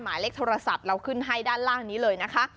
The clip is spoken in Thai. หมายเลขโทรศัพท์เราขึ้นให้ด้านล่างนี้เลยนะคะ